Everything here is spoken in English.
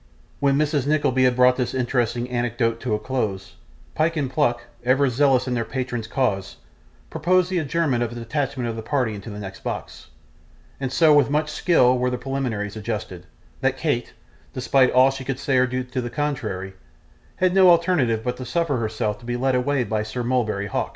When Mrs. Nickleby had brought this interesting anecdote to a close, Pyke and Pluck, ever zealous in their patron's cause, proposed the adjournment of a detachment of the party into the next box; and with so much skill were the preliminaries adjusted, that Kate, despite all she could say or do to the contrary, had no alternative but to suffer herself to be led away by Sir Mulberry Hawk.